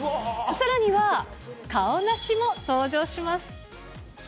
さらにはカオナシも登場します。